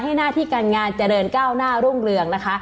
หน้าที่การงานเจริญก้าวหน้ารุ่งเรืองนะคะ